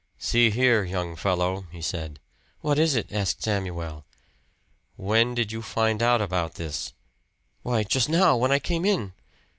"See here, young fellow," he said. "What is it?" asked Samuel. "When did you find out about this?" "Why, just now. When I came in."